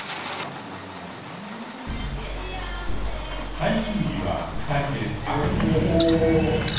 最終日は２人でアクティビティ。